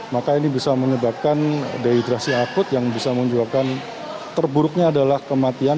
maka ini bisa menyebabkan dehidrasi akut yang bisa menunjukkan terburuknya adalah kematian